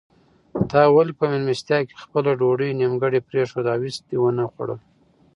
تا ولې په مېلمستیا کې خپله ډوډۍ نیمګړې پرېښوده او هیڅ دې ونه خوړل؟